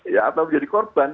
ya atau menjadi korban